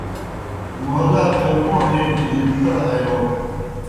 مھولا بیگوݨ ہیک دہ جُمتَڑ آیو۔